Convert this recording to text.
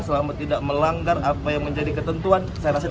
selama tidak melanggar apa yang menjadi ketentuan